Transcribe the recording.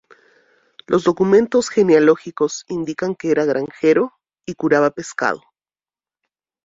Los documentos genealógicos indican que era granjero y curaba pescado.